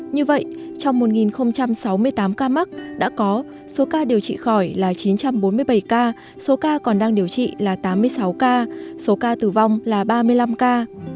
như vậy trong một sáu mươi tám ca mắc đã có số ca điều trị khỏi là chín trăm bốn mươi bảy ca số ca còn đang điều trị là tám mươi sáu ca số ca tử vong là ba mươi năm ca